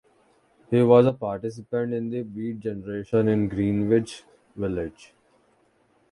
He was a participant in the Beat Generation in Greenwich Village.